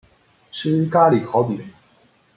吃咖哩烤饼